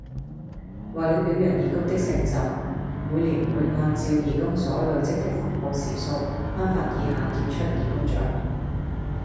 為了表揚義工的成就，每年會按照義工所累積的服務時數，頒發以下傑出義工獎